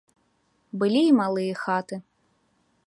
Былі і малыя хаты.